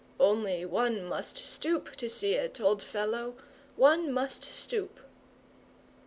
Only one must stoop to see it, old fellow, one must stoop!"